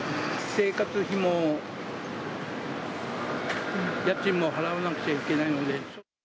生活費も家賃も払わなくちゃいけないので。